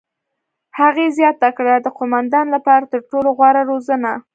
هغې زیاته کړه: "د قوماندان لپاره تر ټولو غوره روزنه.